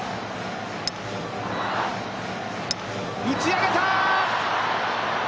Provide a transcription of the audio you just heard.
打ち上げた！